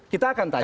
kita akan tanya